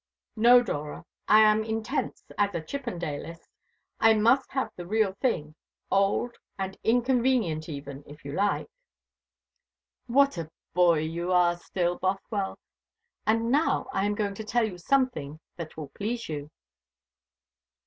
"No, Dora. I am intense as a Chippendalist. I must have the real thing old, and inconvenient even, if you like." "What a boy you are still, Bothwell! And now I am going to tell you something that will please you."